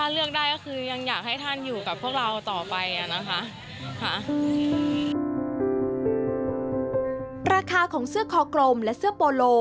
ราคาของเสื้อคอกลมและเสื้อโปโล